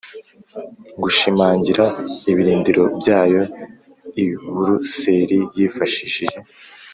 gushimangira ibirindiro byayo i buruseli yifashishije